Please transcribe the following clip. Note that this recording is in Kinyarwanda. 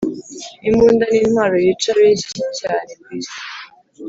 imbunda ni ntwaro yica beshyi cyane kwi si